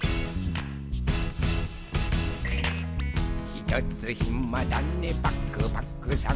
「ひとつひまだねパクパクさん」